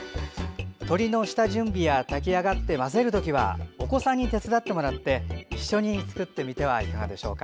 鶏の下準備や炊き上がって混ぜるときはお子さんに手伝ってもらって一緒に作ってみてはいかがでしょうか。